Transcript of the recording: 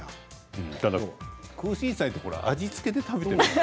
クウシンサイは味付けで食べているから。